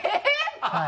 はい。